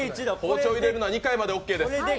包丁を入れるのは２回までオーケーです。